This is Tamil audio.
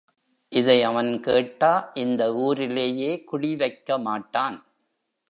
இதை அவன் கேட்டா இந்த ஊரிலேயே குடி வைக்க மாட்டான்.